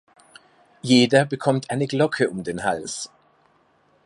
Jeder bekommt eine Glocke um den Hals.